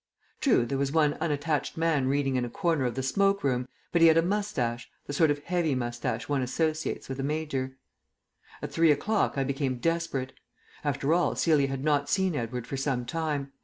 True, there was one unattached man reading in a corner of the smoke room, but he had a moustache the sort of heavy moustache one associates with a major. At three o'clock I became desperate. After all, Celia had not seen Edward for some time.